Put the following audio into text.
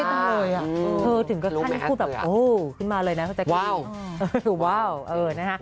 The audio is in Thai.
โอเคจังเลยอ่ะถูกขึ้นมาเลยนะเข้าใจขึ้น